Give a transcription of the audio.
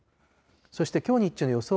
そしてきょう日中の予想